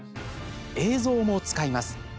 映像も使います。